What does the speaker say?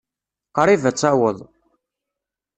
Qṛib ad taweḍ.